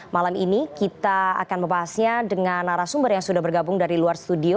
malam ini kita akan membahasnya dengan narasumber yang sudah bergabung dari luar studio